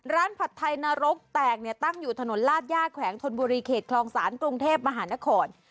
ผัดไทยนรกแตกเนี่ยตั้งอยู่ถนนลาดย่าแขวงธนบุรีเขตคลองศาลกรุงเทพมหานคร